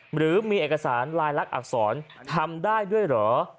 หรือมีเอกสารลายลักษณ์อักษรทำได้ด้วยเหรอ